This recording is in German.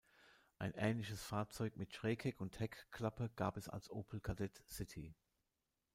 Ein ähnliches Fahrzeug mit Schrägheck und Heckklappe gab es als Opel Kadett City.